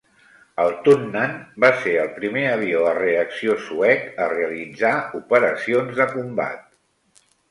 El Tunnan va ser el primer avió a reacció suec a realitzar operacions de combat.